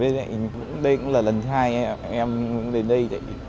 đây cũng là lần hai em đến đây